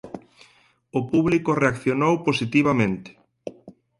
O público reaccionou positivamente.